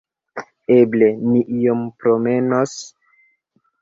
Eble ni iom promenos?